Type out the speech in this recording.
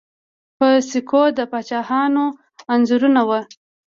په سکو د پاچاهانو انځورونه وو